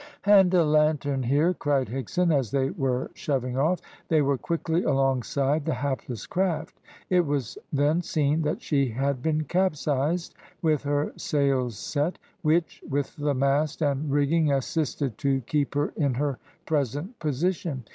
"Hand a lantern here," cried Higson, as they were shoving off. They were quickly alongside the hapless craft. It was then seen that she had been capsized with her sails set, which, with the mast and rigging, assisted to keep her in her present position.